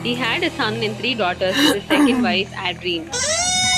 He had a son and three daughters with his second wife, Adrienne.